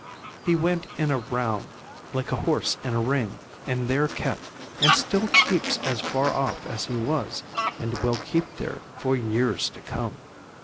He went in a round, like a horse in a ring, and there kept, and still keeps as far off as he was, and will keep there for years to come.